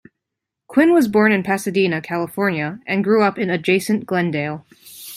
Quinn was born in Pasadena, California, and grew up in adjacent Glendale.